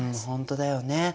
本当だよね。